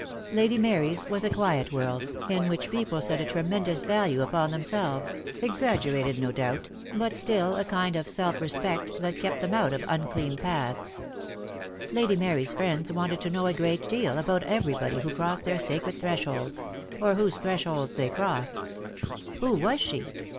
Lady Mary's was a quiet world, in which people Dead Love has Chains. 4 5P. DEAD LOVE HAS CHAINS. set a tremendous value upon themselves, exaggerated no doubt, but still a kind of self respect that kept them out of unclean paths. Lady Mary's friends wanted to know a great deal about everybody who crossed their sacred thresholds, or whose thresholds they crossed. "Who was she?"